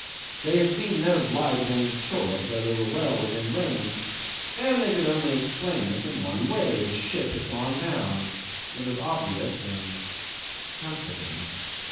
They had seen no light of any sort though they were well within range, and they could only explain this in one way: the ship had gone down. It was obvious and comforting.